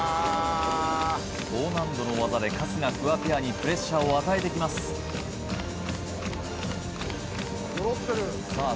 高難度の技で春日フワペアにプレッシャーを与えてきますさあ